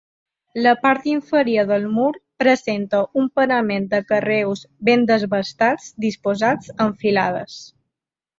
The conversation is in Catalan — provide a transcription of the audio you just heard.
La part inferior del mur presenta un parament de carreus ben desbastats disposats en filades.